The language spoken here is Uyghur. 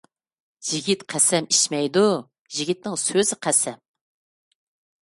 يىگىت قەسەم ئىچمەيدۇ، يىگىتنىڭ سۆزى قەسەم.